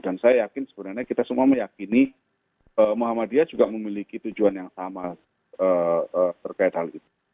saya yakin sebenarnya kita semua meyakini muhammadiyah juga memiliki tujuan yang sama terkait hal itu